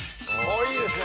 いいですね。